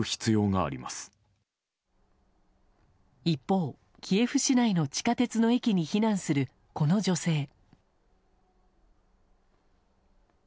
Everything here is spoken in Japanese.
一方、キエフ市内の地下鉄の駅に避難するこの女性。